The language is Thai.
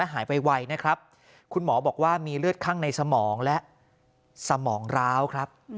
หมอบอกว่ามีเลือดข้างในสมองและสมองราวครับ